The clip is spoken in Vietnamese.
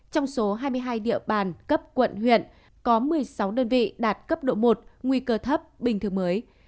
trong số hai mươi hai địa bàn cấp quận huyện có một mươi sáu đơn vị đạt cấp độ một nguy cơ thấp bình thường mới